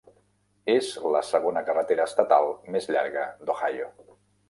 És la segona carretera estatal més llarga d'Ohio.